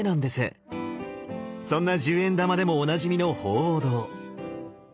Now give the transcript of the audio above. そんな１０円玉でもおなじみの鳳凰堂。